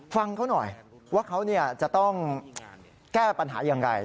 ฟังเขาหน่อยว่าเขาจะต้องแก้ปัญหายังไง